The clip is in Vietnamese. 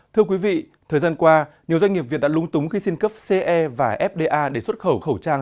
thưa quý vị thời gian qua nhiều doanh nghiệp việt đã lúng túng khi xin cấp ce và fda để xuất khẩu khẩu trang